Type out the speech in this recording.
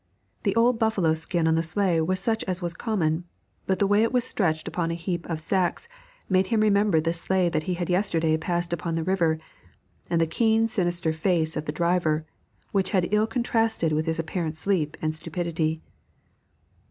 The old buffalo skin on the sleigh was such as was common, but the way it was stretched upon a heap of sacks made him remember the sleigh that he had yesterday passed upon the river, and the keen sinister face of the driver, which had ill contrasted with his apparent sleep and stupidity.